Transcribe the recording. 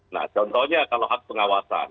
nah contohnya kalau hak pengawasan